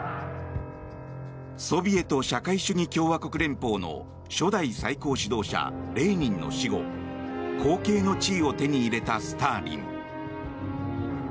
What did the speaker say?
ソビエト社会主義共和国連邦の初代最高指導者、レーニンの死後後継の地位を手に入れたスターリン。